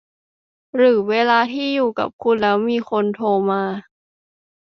หรือเวลาที่อยู่กับคุณแล้วมีคนโทร มา